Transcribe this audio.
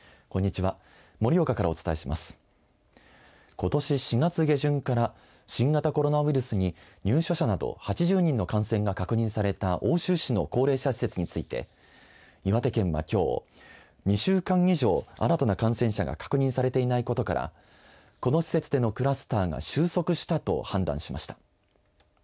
ことし４月下旬から新型コロナウイルスに入所者など８０人の感染が確認された奥州市の高齢者施設について岩手県は、きょう２週間以上新たな感染者が確認されていないことからこの施設でのクラスターが収束したと判断しました。